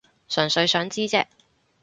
純粹想知啫